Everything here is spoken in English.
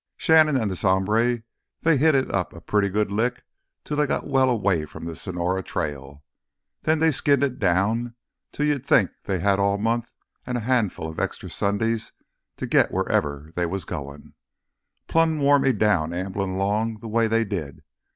"Shannon an' this hombre, they hit it up a pretty good lick till they got well away from th' Sonora trail. Then they skimmed it down till you'd think they had all month an' a handful of extra Sundays to git wherever they was goin'. Plumb wore me down amblin' 'long th' way they did.